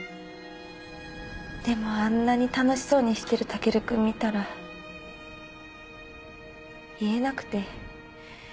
でもあんなに楽しそうにしてるタケルくん見たら言えなくて。